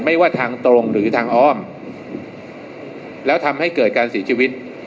ไม่ว่าทางตรงหรือทางอ้อมแล้วทำให้เกิดการเสียชีวิต